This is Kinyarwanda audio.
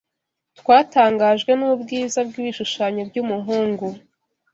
Twatangajwe n'ubwiza bw'ibishushanyo by'umuhungu